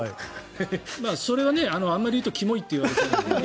それはあまり言うとキモいと言われちゃうので。